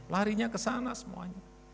larinya ke sana semuanya